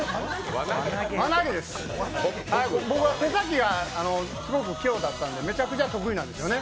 僕は手先がすごく器用だったんでめちゃくちゃ得意なんですよね。